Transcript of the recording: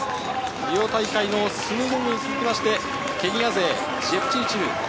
リオ大会のスムゴングに続きまして、ケニア勢・ジェプチルチル。